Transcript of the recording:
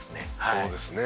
そうですね。